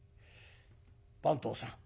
番頭さん」。